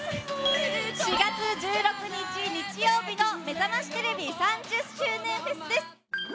４月１６日日曜日のめざましテレビ３０周年フェスです。